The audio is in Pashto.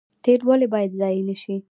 تیل ولې باید ضایع نشي؟